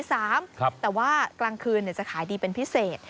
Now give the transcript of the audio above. แต่ว่ากลางคืนจะขายดีเป็นพิเศษ